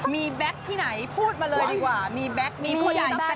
มีแบ๊กที่ไหนพูดมาเลยดีกว่ามีแบ๊กมีผู้ใหญ่สนับสนุน